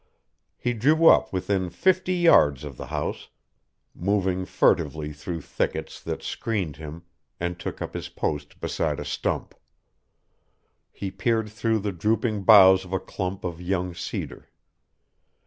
He drew up within fifty yards of the house, moving furtively through thickets that screened him, and took up his post beside a stump. He peered through the drooping boughs of a clump of young cedar.